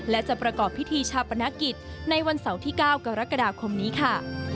และจะประกอบพิธีชาปนกิจในวันเสาร์ที่๙กรกฎาคมนี้ค่ะ